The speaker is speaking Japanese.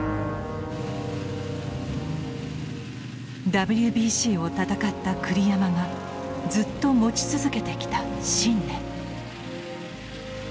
ＷＢＣを戦った栗山がずっと持ち続けてきた信念。